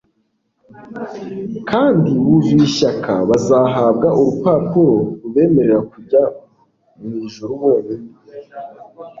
kandi buzuye ishyaka bazahabwa urupapuro rubemerera kujya mu ijuru bonyine;